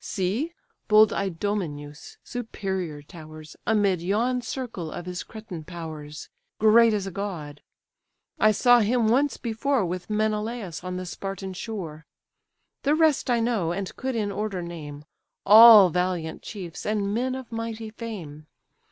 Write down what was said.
See! bold Idomeneus superior towers Amid yon circle of his Cretan powers, Great as a god! I saw him once before, With Menelaus on the Spartan shore. The rest I know, and could in order name; All valiant chiefs, and men of mighty fame.